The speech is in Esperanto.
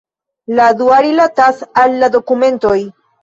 La dua rilatas al la dokumentoj.